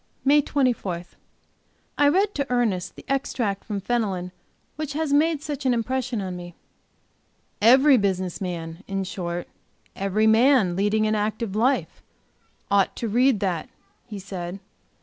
MAY 24. I read to Ernest the extract from Fenelon which has made such an impression on me. "Every business man, in short every man leading an active life, ought to read that," he said.